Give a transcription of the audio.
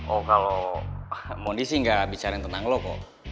oh kalo mondi sih gak bicara tentang lo kok